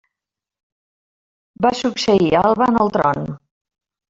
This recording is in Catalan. Va succeir Alba en el tron.